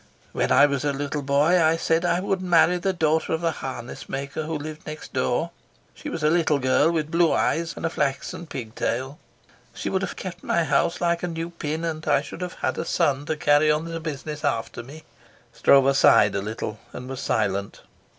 When I was a little boy I said I would marry the daughter of the harness maker who lived next door. She was a little girl with blue eyes and a flaxen pigtail. She would have kept my house like a new pin, and I should have had a son to carry on the business after me." Stroeve sighed a little and was silent.